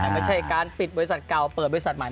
ไม่ใช่การปิดบริษัทเก่าเปิดบริษัทใหม่